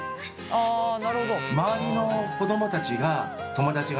あなるほど。